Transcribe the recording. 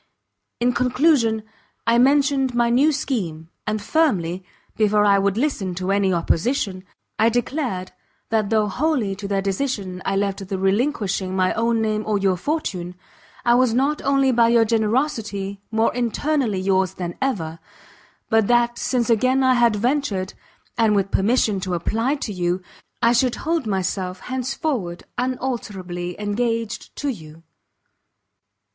In conclusion I mentioned my new scheme, and firmly, before I would listen to any opposition, I declared that though wholly to their decision I left the relinquishing my own name or your fortune, I was not only by your generosity more internally yours than ever, but that since again I had ventured, and with permission to apply to you, I should hold myself hence forward unalterably engaged to you.